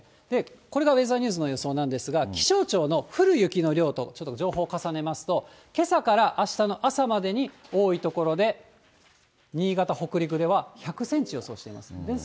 これがウェザーニューズの予想なんですが、気象庁の降る雪の量と、ちょっと情報重ねますと、けさからあしたの朝までに多い所で新潟、北陸では１００センチ予想しています。